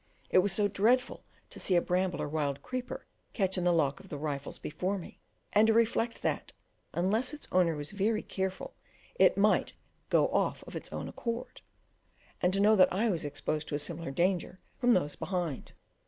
It was so dreadful to see a bramble or wild creeper catch in the lock of the rifle before me, and to reflect that, unless its owner was very careful, it might "go off of its own accord," and to know that I was exposed to a similar danger from those behind.